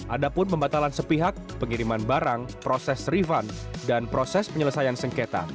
ada pun pembatalan sepihak pengiriman barang proses refund dan proses penyelesaian sengketa